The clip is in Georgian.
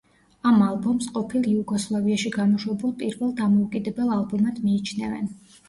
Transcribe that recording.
ამ ალბომს ყოფილ იუგოსლავიაში გამოშვებულ პირველ დამოუკიდებელ ალბომად მიიჩნევენ.